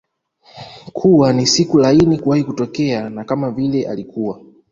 kuwa ni siku laini kuwahi kutokea na kama vile alikuwa